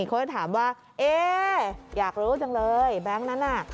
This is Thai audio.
เขาก็ถามว่าเอ๊อยากรู้จังเลยแบงค์นั้นน่ะ